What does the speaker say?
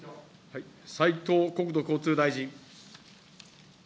斉藤国土交通大臣。